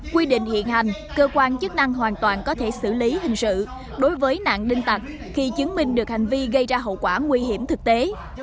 quy định hiện hành cơ quan chức năng hoàn toàn có thể xử lý hình sự đối với nạn đinh tặc khi chứng minh được hành vi gây ra hậu quả nguy hiểm thực tế